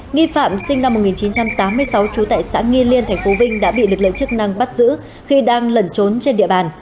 nghi phạm sinh năm một nghìn chín trăm tám mươi sáu trú tại xã nghi liên tp vinh đã bị lực lượng chức năng bắt giữ khi đang lẩn trốn trên địa bàn